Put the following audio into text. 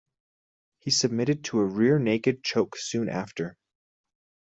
He submitted to a rear-naked choke soon after.